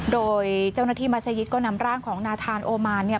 โดยเจ้าหน้าที่มัศยิตก็นำร่างของนาธานโอมานเนี่ย